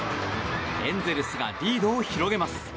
エンゼルスがリードを広げます。